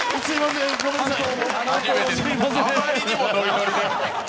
あまりにもノリノリで。